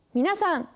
皆さん